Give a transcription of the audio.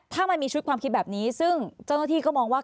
ถ้ามันมีชุดความคิดแบบนี้ซึ่งเจ้าหน้าที่ก็มองว่า